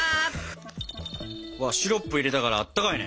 シロップ入れたからあったかいね。